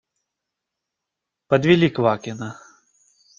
Подвели Квакина.